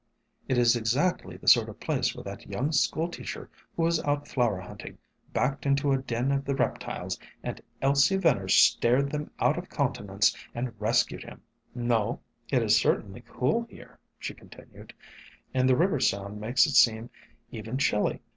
"It is exactly the sort of place where that young school teacher, who was out flower hunting, backed into a den of the reptiles, and Elsie Venner stared them out of countenance and rescued him. — No? " "It is certainly cool here," she continued, "and the river sound makes it seem even chilly.